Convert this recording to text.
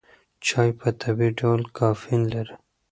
چای په طبیعي ډول کافین لري.